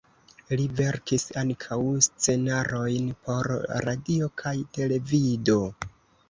Li verkis ankaŭ scenarojn por radio kaj televido.